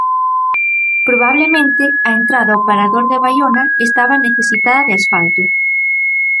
Probablemente a entrada ao Parador de Baiona estaba necesitada de asfalto.